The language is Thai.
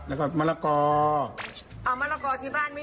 แล้วก็มะละกออ่ะมากว้างที่บ้านตรงนี้